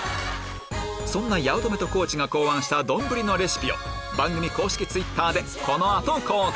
そんな八乙女と地が考案した丼のレシピを番組公式Ｔｗｉｔｔｅｒでこの後公開！